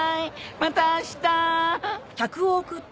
また明日！